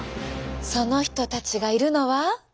その人たちがいるのは。